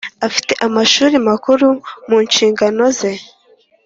ufite Amashuri Makuru mu nshingano ze